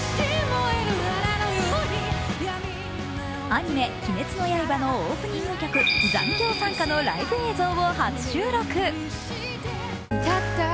アニメ「鬼滅の刃」のオープニング曲、「残響散歌」のライブ映像を初収録。